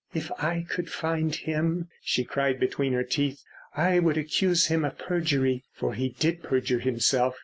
"If I could find him," she cried between her teeth, "I would accuse him of perjury. For he did perjure himself.